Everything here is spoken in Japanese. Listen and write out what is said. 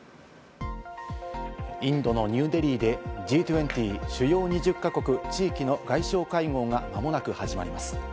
インドのニューデリーでＧ２０＝主要２０か国・地域の外相会合が間もなく始まります。